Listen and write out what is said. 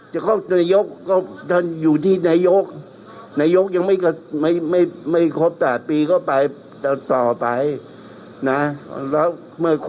พลเอกประวิทย์ยังไม่ได้คิดเลย